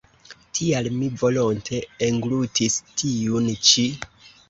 Tial mi volonte englutis tiun ĉi.